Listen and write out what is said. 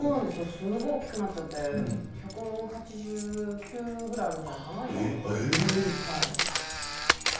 すごい大きくなっちゃって１８９ぐらいあるんじゃないかな今。